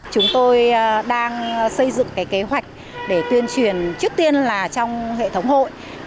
chúng tôi đang xây dựng cái kế hoạch để tuyên truyền trước tiên là trong hệ thống hội